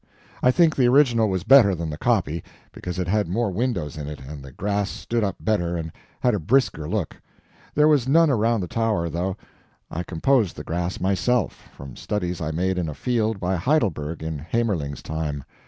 I think the original was better than the copy, because it had more windows in it and the grass stood up better and had a brisker look. There was none around the tower, though; I composed the grass myself, from studies I made in a field by Heidelberg in Haemmerling's time.